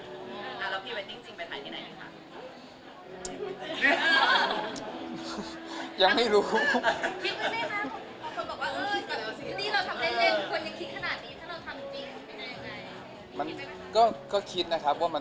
อ้าแล้วพี่ไวน์ทิ้งจริงไปถ่ายที่ไหนนะครับ